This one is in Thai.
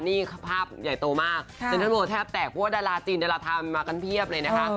นี่ภาพใหญ่โตมากเซ็นทรัลโลแทบแตกเพราะว่าดาราจีนดาราธรรมมากันเพียบเลยนะคะ